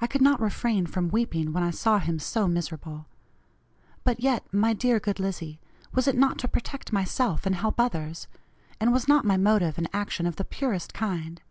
I could not refrain from weeping when I saw him so miserable. But yet, my dear good Lizzie, was it not to protect myself and help others and was not my motive and action of the purest kind?